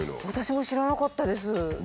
私も知らなかったです。